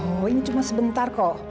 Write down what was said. oh ini cuma sebentar kok